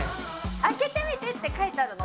「開けてみて」って書いてあるの。